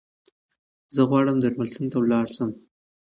زه غواړم درملتون ته لاړشم